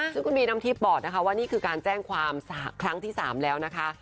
ซึ่งคุณบีน้ำทิพย์บอกนะคะว่านี่คือการแจ้งความครั้งที่๓แล้วนะคะ